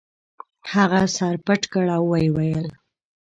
هغه سر پټ کړ او ویې ویل.